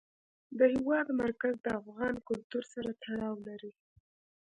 د هېواد مرکز د افغان کلتور سره تړاو لري.